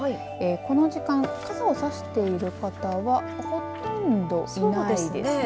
この時間傘を差している方はほとんどいないですね。